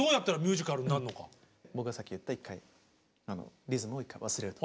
僕がさっき言った１回リズムを１回忘れると。